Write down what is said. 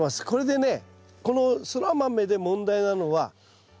これでねこのソラマメで問題なのは草丈です。